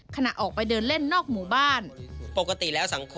ขณะออกไปเดินเล่นนอกหมู่บ้าน